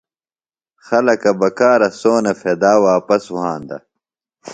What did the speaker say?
خلَکہ بکارہ سونہ پھیۡدا واپس وھاندہ۔